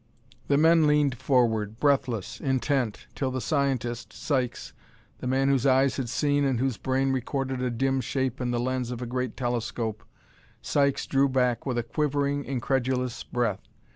The men leaned forward, breathless, intent, till the scientist, Sykes the man whose eyes had seen and whose brain recorded a dim shape in the lens of a great telescope Sykes drew back with a quivering, incredulous breath.